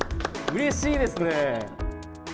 うれしいですね。